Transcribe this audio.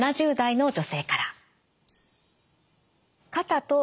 ７０代の女性から。